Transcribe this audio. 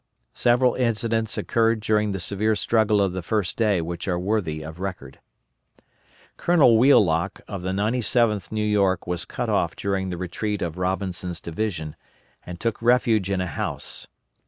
Several incidents occurred during the severe struggle of the first day which are worthy of record. Colonel Wheelock of the 97th New York was cut off during the retreat of Robinson's division, and took refuge in a house.